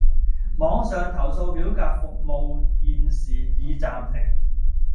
網上投訴表格服務現時已暫停